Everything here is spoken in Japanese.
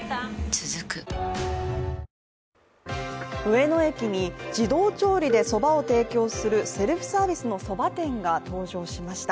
続く上野駅に自動調理でそばを提供するセルフサービスのそば店が登場しました。